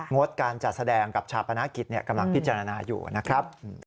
ดการจัดแสดงกับชาปนกิจกำลังพิจารณาอยู่นะครับ